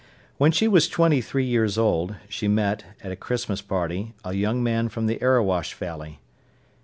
When she was twenty three years old, she met, at a Christmas party, a young man from the Erewash Valley.